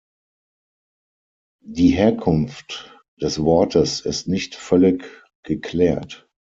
Die Herkunft des Wortes ist nicht völlig geklärt.